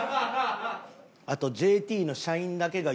あとＪＴの社員だけが読む